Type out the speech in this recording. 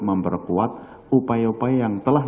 memperkuat upaya upaya yang telah